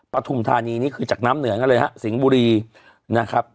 ปฐุมธานีนี่คือจากน้ำเหนือกันเลยฮะสิงห์บุรีนะครับ